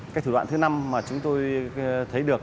cái thủ đoạn thứ năm mà chúng tôi thấy được